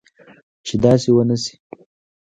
چې داسي و نه شي